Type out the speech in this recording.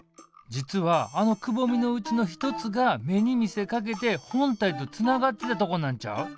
実はあのくぼみのうちの一つが芽に見せかけて本体とつながってたとこなんちゃう？